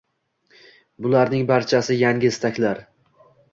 Bularning barchasi yangi istaklar.